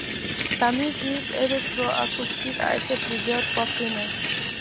Sa musique électroacoustique a été plusieurs fois primée.